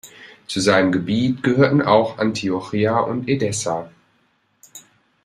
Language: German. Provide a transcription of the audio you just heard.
Zu seinem Gebiet gehörten auch Antiochia und Edessa.